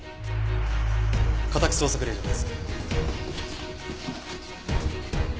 家宅捜索令状です。